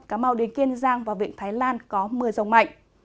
cà mau đến kiên giang và vịnh thái lan có mưa rông mạnh